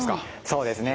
そうですね。